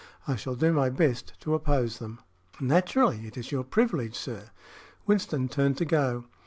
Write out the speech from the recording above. I shall do my best to oppose them." "Naturally. It is your privilege, sir." Winston turned to go.